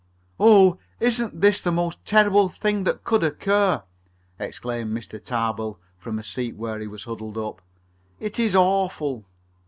"Oh! Isn't this the most terrible thing that could occur!" exclaimed Mr. Tarbill, from a seat where he was huddled up. "It is awful!"